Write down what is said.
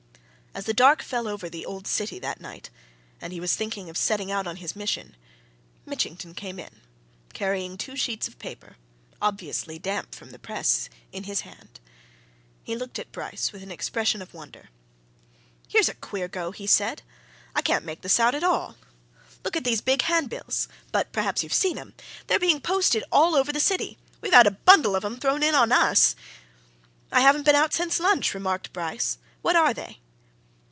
As the dark fell over the old city that night and he was thinking of setting out on his mission, Mitchington came in, carrying two sheets of paper, obviously damp from the press, in his hand. He looked at Bryce with an expression of wonder. "Here's a queer go!" he said. "I can't make this out at all! Look at these big handbills but perhaps you've seen 'em? They're being posted all over the city we've had a bundle of 'em thrown in on us." "I haven't been out since lunch," remarked Bryce. "What are they?"